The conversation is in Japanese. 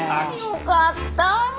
よかった！